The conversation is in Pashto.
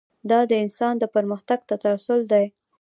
دا د انسان د پرمختګ تسلسل دی.